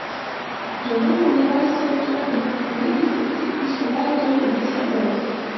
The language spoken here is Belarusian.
Яна занялася кінадакументалістыкай і спявае толькі для сяброў.